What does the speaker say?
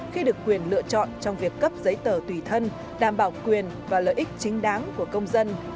khi được quyền lựa chọn trong việc cấp giấy tờ tùy thân đảm bảo quyền và lợi ích chính đáng của công dân